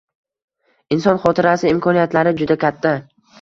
Inson xotirasi imkoniyatlari juda katta.